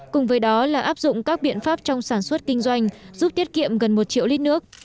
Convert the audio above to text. cùng với đó là áp dụng các biện pháp trong sản xuất kinh doanh giúp tiết kiệm gần một triệu lít nước